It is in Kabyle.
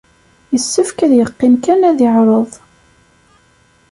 Yessefk ad yeqqim kan ad iɛerreḍ.